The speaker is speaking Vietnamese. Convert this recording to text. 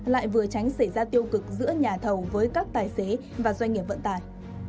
lại vừa tránh xảy ra tiêu cực giữa nhà thầu với các tài xế và doanh nghiệp vận tải